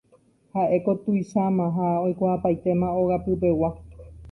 Ha'éko tuicháma ha oikuaapaitéma ogapypegua.